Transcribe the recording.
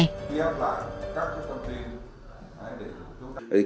khi em lại các thông tin